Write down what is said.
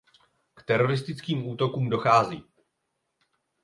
K teroristickým útokům dochází.